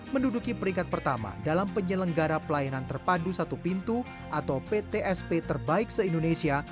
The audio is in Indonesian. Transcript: menduduki peringkat pertama dalam penyelenggara pelayanan terpadu satu pintu atau ptsp terbaik se indonesia